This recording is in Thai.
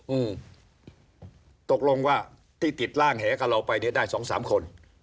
อืมตกลงว่าที่ติดร่างแหกับเราไปเนี้ยได้สองสามคน